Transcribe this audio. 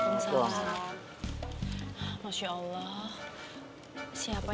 waalaikumsalam masya allah siapa yang mau usir mpo mpo ayo itu cuman lapor